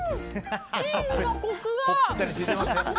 チーズのコクが！